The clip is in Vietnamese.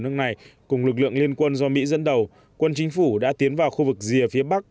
nước này cùng lực lượng liên quân do mỹ dẫn đầu quân chính phủ đã tiến vào khu vực rìa phía bắc